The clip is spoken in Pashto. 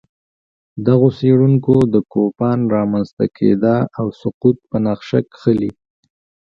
دغو څېړونکو د کوپان رامنځته کېدا او سقوط په نقشه کښلي